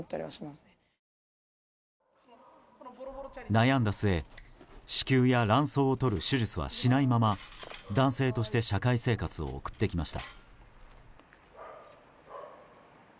悩んだ末、子宮や卵巣を取る手術はしないまま男性として社会生活を送ってきました。